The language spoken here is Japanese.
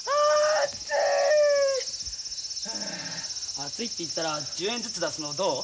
暑いって言ったら１０円ずつ出すのどう？